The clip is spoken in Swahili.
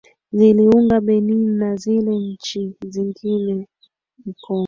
ziliunga benin na zile nchi zingine mkono